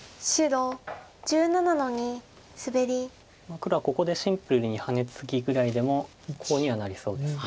黒はここでシンプルにハネツギぐらいでもコウにはなりそうです。